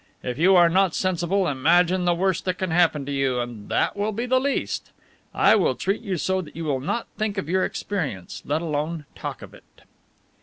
If you are not sensible, imagine the worst that can happen to you, and that will be the least. I will treat you so that you will not think of your experience, let alone talk of it."